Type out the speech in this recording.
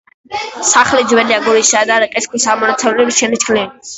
სახლი ძველი აგურისა და რიყის ქვის მონაცვლეობითაა ნაშენი.